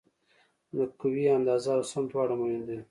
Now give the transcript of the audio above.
د قوې اندازه او سمت دواړه مهم دي.